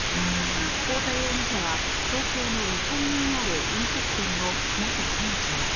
太田容疑者は東京の六本木にある飲食店の元店長。